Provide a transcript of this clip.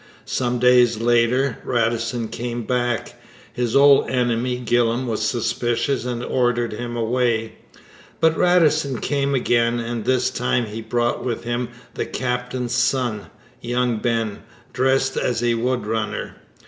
Some days later Radisson came back. His old enemy Gillam was suspicious and ordered him away; but Radisson came again, and this time he brought with him the captain's son, young Ben, dressed as a wood runner.